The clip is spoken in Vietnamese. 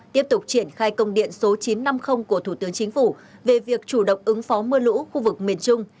tiếp tục triển khai công điện số chín trăm năm mươi của thủ tướng chính phủ về việc chủ động ứng phó mưa lũ khu vực miền trung